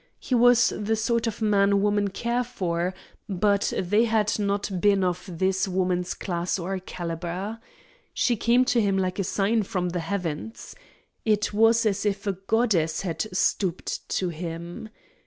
He was the sort of man women care for, but they had not been of this woman's class or calibre. It came to him like a sign from the heavens. It was as if a goddess had stooped to him.